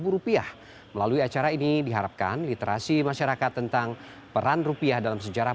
rupiah melalui acara ini diharapkan literasi masyarakat tentang peran rupiah dalam sejarah